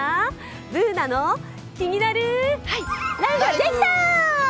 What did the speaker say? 「ＢｏｏｎａのキニナルＬＩＦＥ」できた！